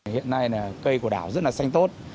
hiện nay cây của đảo rất là xanh tốt